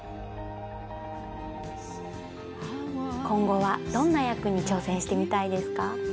今後はどんな役に挑戦してみたいですか？